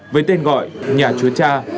với tên gọi nhà chúa cha